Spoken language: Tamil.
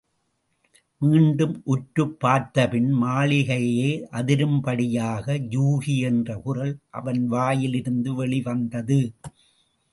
மீண்டும் உற்றுப் பார்த்தபின் மாளிகையே அதிரும் படியாக, யூகி என்ற குரல் அவன் வாயிலிருந்து வெளிவந்தது.